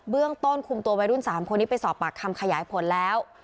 ต้นคุมตัววัยรุ่น๓คนนี้ไปสอบปากคำขยายผลแล้ว